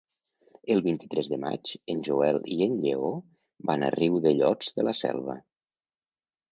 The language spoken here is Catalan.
El vint-i-tres de maig en Joel i en Lleó van a Riudellots de la Selva.